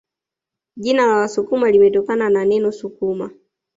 Jina la Wasukuma limetokana na neno sukuma